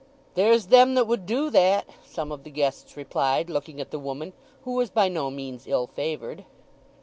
"There's them that would do that," some of the guests replied, looking at the woman, who was by no means ill favoured.